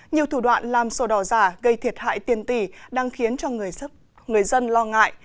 nhiều thủ đoạn làm sổ đỏ giả gây thiệt hại tiền tỷ đang khiến cho người dân lo ngại